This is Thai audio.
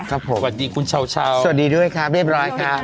สวัสดีคุณเช้าสวัสดีด้วยครับเรียบร้อยครับ